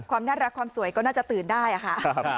ความน่ารักความสวยก็น่าจะตื่นได้ค่ะ